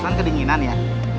susan kedinginan ya